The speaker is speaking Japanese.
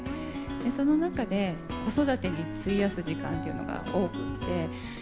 その中で子育てに費やす時間っていうのが多くって。